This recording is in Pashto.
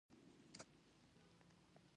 پروفيسر يودم چيغه کړه.